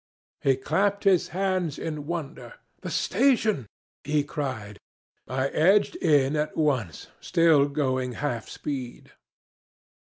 He clapped his hands in wonder. 'The station!' he cried. I edged in at once, still going half speed.